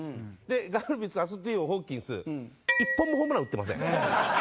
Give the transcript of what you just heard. ガルビスアストゥディーヨホーキンス１本もホームラン打ってません。